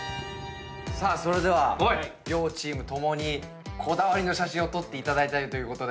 それでは両チーム共にこだわりの写真を撮っていただいたということで。